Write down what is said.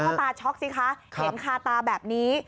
พ่อตาช็อกสิคะเห็นคาตาแบบนี้